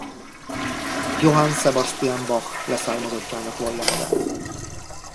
Johann Sebastian Bach leszármazottjának vallja magát.